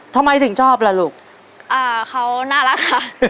ทำไมถึงชอบล่ะลูกอ่าเขาน่ารักค่ะ